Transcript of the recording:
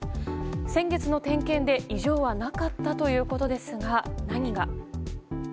先月の点検で異常はなかったということですが何が。